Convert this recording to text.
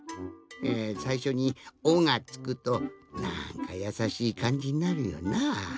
えさいしょに「お」がつくとなんかやさしいかんじになるよな。